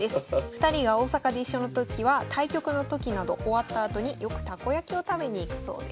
２人が大阪で一緒の時は対局の時など終わったあとによくたこ焼きを食べに行くそうです。